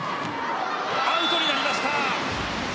アウトになりました。